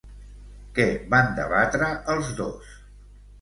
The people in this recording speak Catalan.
Què van debatre els dos?